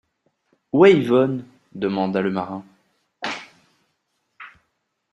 Où est Yvonne ? demanda le marin.